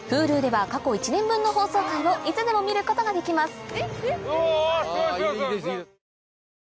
Ｈｕｌｕでは過去１年分の放送回をいつでも見ることができます